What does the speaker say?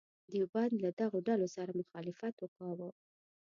دیوبند له دغو ډلو سره مخالفت وکاوه.